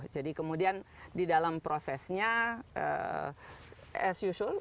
jadi kemudian di dalam prosesnya as usual